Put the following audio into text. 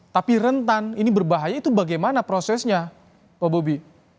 tapi rentan ini berbahaya itu bagaimana prosesnya pak bobi